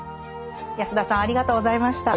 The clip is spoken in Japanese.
安田さんありがとうございました。